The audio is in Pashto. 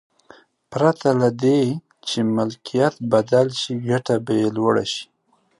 پرته له دې چې ملکیت بدل شي ګټه به یې لوړه شي.